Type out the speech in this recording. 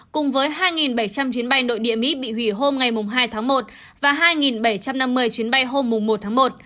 cùng với hai bảy trăm linh chuyến bay nội địa mỹ bị hủy hôm ngày hai tháng một và hai bảy trăm năm mươi chuyến bay hôm một tháng một